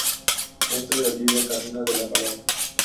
Dentro del libro "Camino de la palabra".